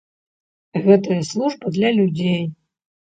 Гэтая служба для людзей.